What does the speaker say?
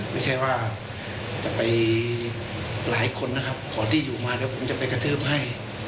ไม่ใช่ว่าจะไปหลายคนนะครับขอที่อยู่มาเดี๋ยวผมจะไปกระทืบให้